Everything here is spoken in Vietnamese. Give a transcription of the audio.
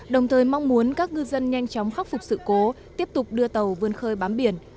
đồng thời mong muốn các ngư dân nhanh chóng khắc phục sự cố tiếp tục đưa tàu vươn khơi bám biển